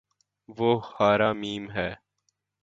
وہ ہرا م ہے